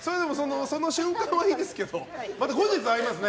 その瞬間はいいですけどまた後日ありますよね？